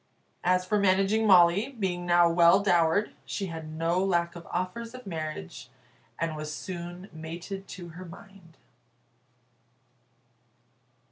As for Managing Molly, being now well dowered, she had no lack of offers of marriage, and was soon mated to her mind.